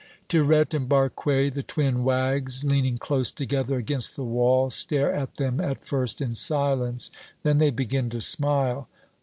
Tirette and Barque, the twin wags, leaning close together against the wall, stare at them, at first in silence. Then they begin to smile.